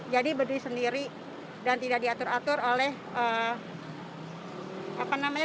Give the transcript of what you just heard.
berdiri sendiri dan tidak diatur atur oleh apa namanya